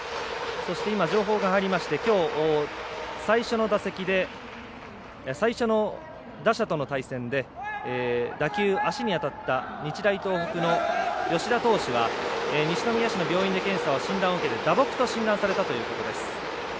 そして、情報が入りましてきょう最初の打者との対戦で打球、足に当たった日大東北の吉田投手は西宮市の病院で検査を受けて打撲と診断されたということです。